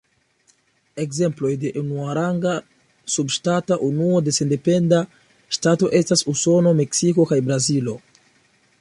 Ekzemploj de unuaranga subŝtata unuo de sendependa ŝtato estas Usono, Meksiko kaj Brazilo.